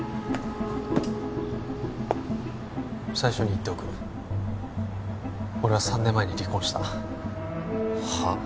最初に言っておく俺は３年前に離婚したはあ？